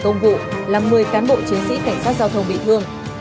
công vụ làm một mươi cán bộ chiến sĩ cảnh sát giao thông bị thương